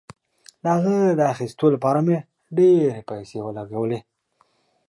د هغه د اخیستلو لپاره مې ډیرې پیسې ولګولې.